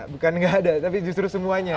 bukan nggak ada tapi justru semuanya